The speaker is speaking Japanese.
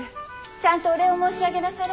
ちゃんとお礼を申し上げなされ。